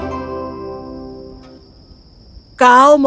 di samping sebuah rumah kecil